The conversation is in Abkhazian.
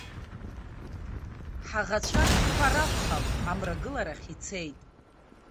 Ҳаӷацәа ртәқәа ракәхап, амрагыларахь ицеит.